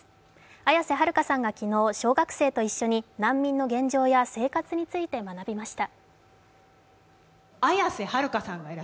綾瀬はるかさんが昨日小学生と一緒に難民の現状や生活について学びました。